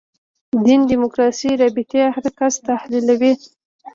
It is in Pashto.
دین دیموکراسي رابطې هر کس تحلیلوي.